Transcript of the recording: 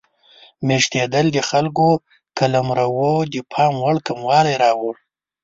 میشتېدل د خلکو قلمرو د پام وړ کموالی راوړ.